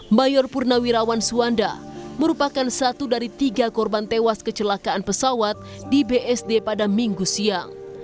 mayor purnawirawan suwanda merupakan satu dari tiga korban tewas kecelakaan pesawat di bsd pada minggu siang